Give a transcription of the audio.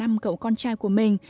cả năm cậu con trai của mình